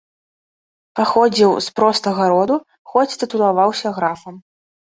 Паходзіў з простага роду, хоць тытулаваўся графам.